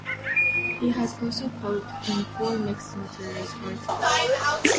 He has also fought in four mixed martial arts bouts.